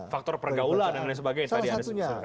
faktor pergaulan dan lain sebagainya tadi anda sudah katakan